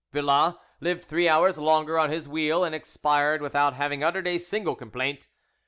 Villas lived three hours longer on his wheel, and expired without having uttered a single complaint.